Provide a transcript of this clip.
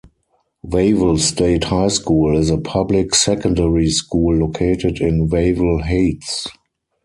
Wavell State High School, is a public secondary school located in Wavell Heights.